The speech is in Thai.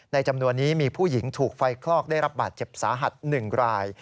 จำนวนนี้มีผู้หญิงถูกไฟคลอกได้รับบาดเจ็บสาหัส๑ราย